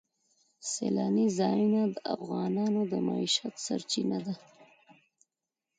سیلانی ځایونه د افغانانو د معیشت سرچینه ده.